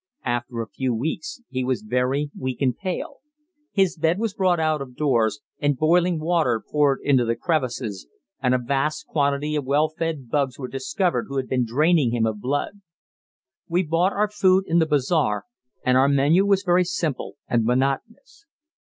After a few weeks he was very weak and pale. His bed was brought out of doors, and boiling water poured into the crevices, and a vast quantity of well fed bugs were discovered who had been draining him of blood. We bought our food in the bazaar, and our menu was very simple and monotonous.